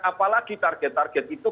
apalagi target target itu